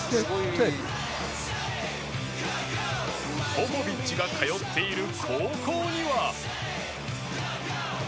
ポポビッチが通っている高校には